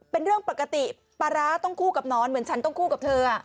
เป็นเรื่องปกติปลาร้าต้องคู่กับนอนเหมือนฉันต้องคู่กับเธอ